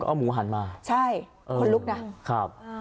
เอาหมูหันมาใช่คนลุกนะครับ